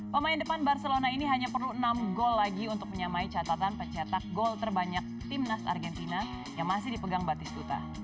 pemain depan barcelona ini hanya perlu enam gol lagi untuk menyamai catatan pencetak gol terbanyak timnas argentina yang masih dipegang batis duta